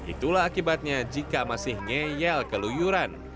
itulah akibatnya jika masih ngeyel keluyuran